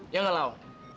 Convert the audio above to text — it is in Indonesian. ya enggak lau